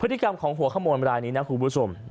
พฤติกรรมของหัวขมวดเมื่อรายการนี้นะคุณผู้ชม